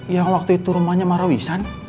yang waktu itu rumahnya marowisan